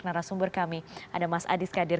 narasumber kami ada mas adis kadir